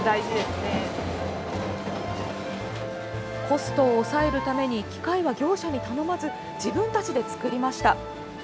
コストを抑えるために機械は業者に頼まず自分たちで作りました。